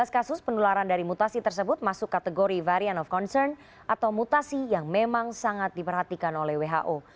tujuh belas kasus penularan dari mutasi tersebut masuk kategori varian of concern atau mutasi yang memang sangat diperhatikan oleh who